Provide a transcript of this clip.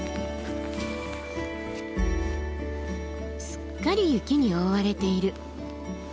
すっかり雪に覆われている。